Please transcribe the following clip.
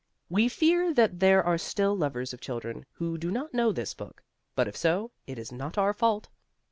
We fear that there are still lovers of children who do not know this book; but if so, it is not our fault.